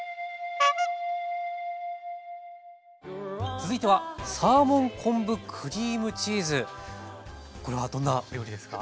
続いてはこれはどんな料理ですか？